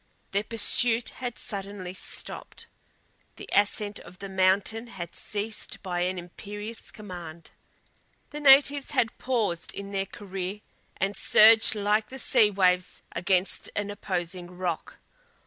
Their pursuit had suddenly stopped. The ascent of the mountain had ceased by an imperious command. The natives had paused in their career, and surged like the sea waves against an opposing rock.